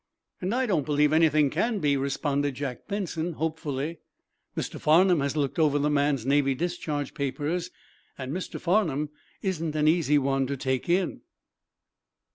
"And I don't believe anything can be," responded Jack Benson, hopefully. "Mr. Farnum has looked over the man's Navy discharge papers, and Mr. Farnum isn't an easy one to take in."